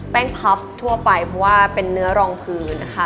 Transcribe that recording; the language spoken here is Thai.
งพับทั่วไปเพราะว่าเป็นเนื้อรองพื้นค่ะ